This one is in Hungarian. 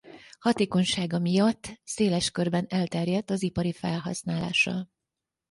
Hatékonysága miatt széles körben elterjedt az ipari felhasználása.